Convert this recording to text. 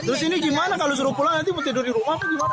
terus ini gimana kalau suruh pulang nanti mau tidur di rumah apa gimana